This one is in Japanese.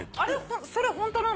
それホントなの？